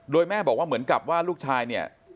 โดยแม่บอกว่าเหมือนกับว่าลูกชายเนี่ย